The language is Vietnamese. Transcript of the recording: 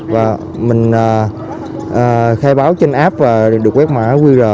và mình khai báo trên app và được quét mã qr